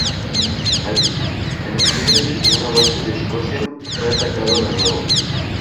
Allí, en octubre, desde una base en Escocia, fue atacado de nuevo.